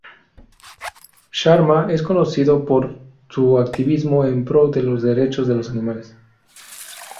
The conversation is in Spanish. Sharma es conocido por su activismo en pro de los derechos de los animales.